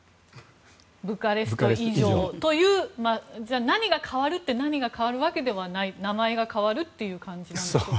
ブカレスト以上という何が変わるって何が変わるわけではない名前が変わるという感じでしょうか。